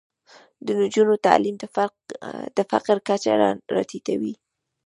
د نجونو تعلیم د فقر کچه راټیټوي.